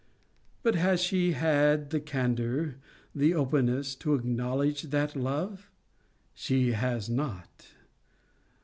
But has she had the candour, the openness, to acknowledge that love? She has not.